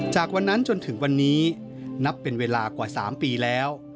จากวันนั้นจนถึงวันนี้นับเป็นเวลากว่า๓ปีแล้ว